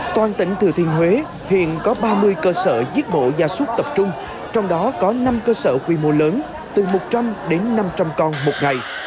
toàn tỉnh thừa thiên huế hiện có ba mươi cơ sở giết mổ gia súc tập trung trong đó có năm cơ sở quy mô lớn từ một trăm linh đến năm trăm linh con một ngày